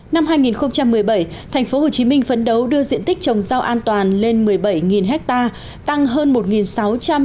năm hai nghìn một mươi bảy tp hcm phấn đấu đưa diện tích trồng rau an toàn lên một mươi bảy ha tăng hơn một sáu trăm ba mươi ha so với năm hai nghìn một mươi sáu